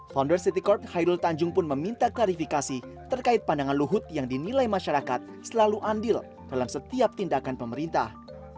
founder city corp khairul tanjung pun meminta klarifikasi terkait pandangan luhut yang dinilai masyarakat selalu andil dalam setiap tindakan pemerintah